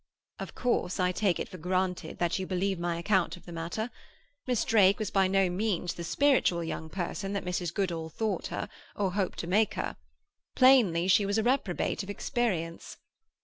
"Of course I take it for granted that you believe my account of the matter. Miss Drake was by no means the spiritual young person that Mrs. Goodall thought her, or hoped to make her; plainly, she was a reprobate of experience.